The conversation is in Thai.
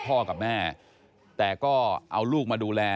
กับแม่แต่ก็เอาลูกมาดูแล